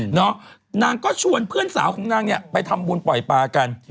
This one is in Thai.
นางก็ชวนเพื่อนสาวของนางเนี่ยไปทำบุญปล่อยปลากัน